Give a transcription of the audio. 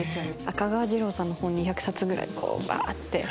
赤川次郎さんの本２００冊ぐらいバって。